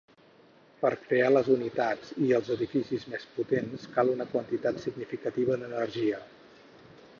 Per crear les unitats i els edificis més potents cal una quantitat significativa d'energia.